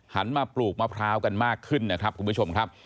หันมาปลูกมะพร้าวกันมากขึ้นนะครับคุณผู้ชมครับ